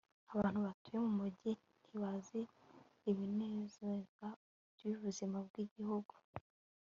Abantu batuye mumujyi ntibazi ibinezeza byubuzima bwigihugu